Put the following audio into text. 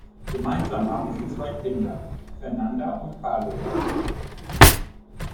Gemeinsam haben sie zwei Kinder, Fernanda und Carlo.